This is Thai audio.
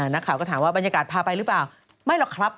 นักข่าวก็ถามว่าบรรยากาศพาไปหรือเปล่าไม่หรอกครับ